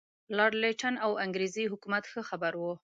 لارډ لیټن او انګریزي حکومت ښه خبر وو.